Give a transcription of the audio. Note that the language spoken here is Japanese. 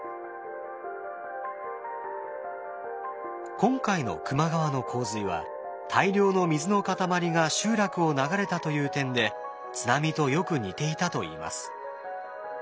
今回の球磨川の洪水は大量の水の塊が集落を流れたという点で津波とよく似ていたといいます。